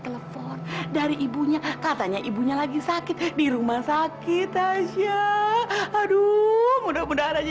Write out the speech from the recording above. telepon dari ibunya katanya ibunya lagi sakit di rumah sakit aja aduh mudah mudahan aja